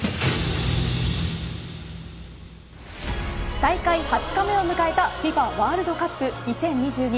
大会２０日目を迎えたＦＩＦＡワールドカップ２０２２